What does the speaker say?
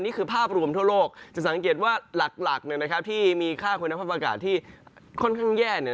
นี่คือภาพรวมทั่วโลกจะสังเกตว่าหลักที่มีค่าคุณภาพอากาศที่ค่อนข้างแย่